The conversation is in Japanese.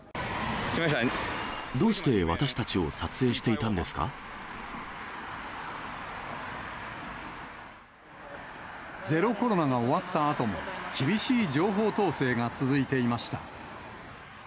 どうして私たちを撮影していゼロコロナが終わったあとも、厳しい情報統制が続いていました。